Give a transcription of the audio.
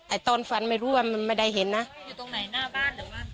ตอนฟันไม่รู้ว่ามันไม่ได้เห็นนะอยู่ตรงไหนหน้าบ้านหรือว่า